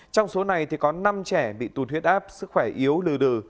trong số này thì có năm trẻ bị tùn huyết áp sức khỏe yếu lừ đừ